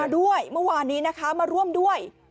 ด้วยเมื่อวานนี้นะคะมาร่วมด้วย